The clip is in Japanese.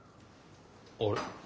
あれ？